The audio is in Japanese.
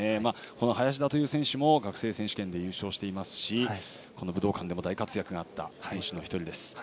林田という選手も学生選手権で優勝していますしこの武道館でも大活躍があった選手の１人です。